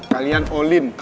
kalian all in